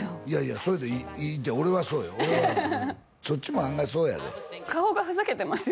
それでいいって俺はそうよ俺はそっちも案外そうやで顔がふざけてますよ